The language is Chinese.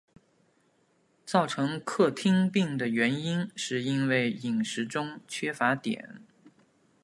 造成克汀病的原因是因为饮食中缺乏碘。